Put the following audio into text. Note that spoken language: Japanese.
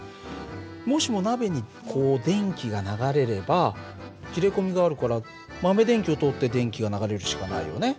もしも鍋にこう電気が流れれば切れ込みがあるから豆電球を通って電気が流れるしかないよね。